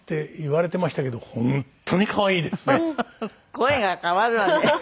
声が変わるわね。